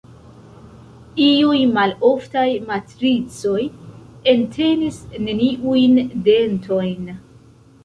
Iuj maloftaj matricoj entenis neniujn dentojn.